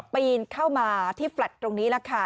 ปีนเข้ามาที่แอบบินตรงนี้แล้วค่ะ